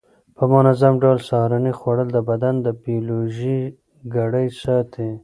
په منظم ډول سهارنۍ خوړل د بدن بیولوژیکي ګړۍ ساتي.